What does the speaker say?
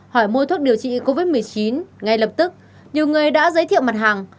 hỏi mua thuốc điều trị covid một mươi chín ngay lập tức nhiều người đã giới thiệu mặt hàng